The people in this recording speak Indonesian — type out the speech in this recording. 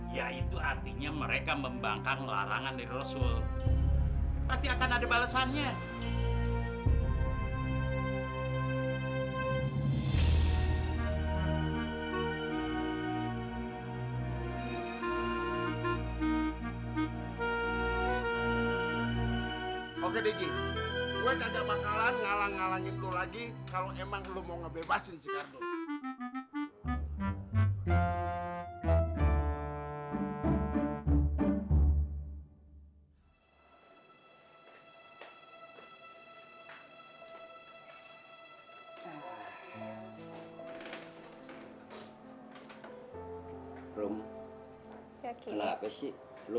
yaitu artinya mereka membangkang larangan dari rasul